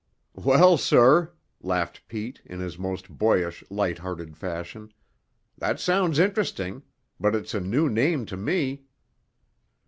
"Well, sir," laughed Pete, in his most boyish, light hearted fashion, "that sounds interesting. But it's a new name to me."